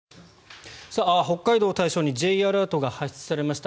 北海道を対象にＪアラートが発出されました。